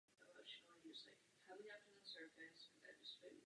Jsem samozřejmě vděčný paní komisařce za její práci.